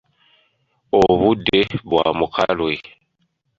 Obudde bwa mukalwe.